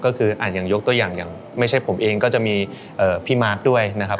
ก็คืออย่างยกตัวอย่างอย่างไม่ใช่ผมเองก็จะมีพี่มาร์คด้วยนะครับ